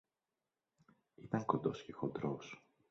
ήταν κοντός και χοντρός